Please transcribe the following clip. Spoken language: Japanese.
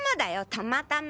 たまたま。